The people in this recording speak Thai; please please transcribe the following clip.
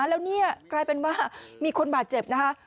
แล้วนี่กลายเป็นว่ามีคนบาดเจ็บนะคะ